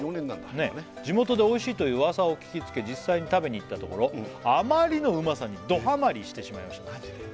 「地元でおいしいといううわさを聞きつけ」「実際に食べに行ったところあまりのうまさに」「ドハマりしてしまいました」